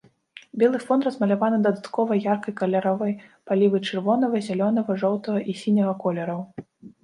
Белы фон размаляваны дадаткова яркай каляровай палівай чырвонага, зялёнага, жоўтага і сіняга колераў.